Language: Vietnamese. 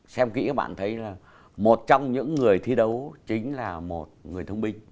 xem kỹ các bạn thấy là một trong những người thi đấu chính là một người thông minh